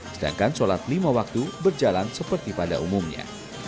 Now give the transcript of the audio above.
sedangkan sholat lima waktu berjalan seperti pada umumnya